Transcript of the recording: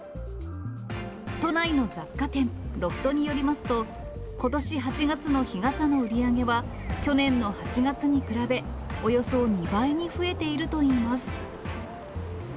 都内の雑貨店、ロフトによりますと、ことし８月の日傘の売り上げは、去年の８月に比べおよそ２倍に増えているといいます。